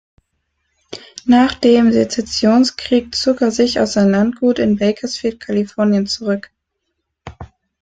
Nach dem Sezessionskrieg zog er sich auf sein Landgut in Bakersfield, Kalifornien, zurück.